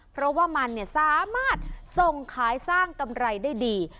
เพราะว่ามันสามารถส่งขายสร้างกำไรได้ดี